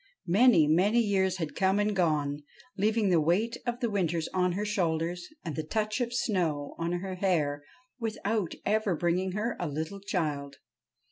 Many, many years had come and gone, leaving the weight of their winters on her shoulders and the touch of snow on her hair without ever bringing her a little child.